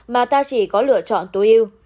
mà ta chỉ có lựa chọn tối ưu